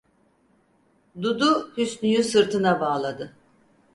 Dudu, Hüsnü'yü sırtına bağladı.